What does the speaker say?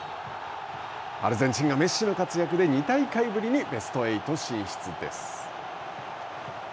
アルゼンチンがメッシの活躍で、２大会ぶりに、ベスト８進出です。